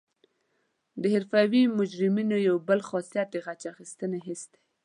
د حرفوي مجرمینو یو بل خاصیت د غچ اخیستنې حس دی